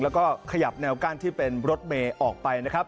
และขยับแนวกั้นที่เป็นรถแมงออกไป